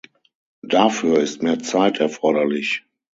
Dafür ist mehr Zeit erforderlich.